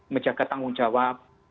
menjaga tanggung jawab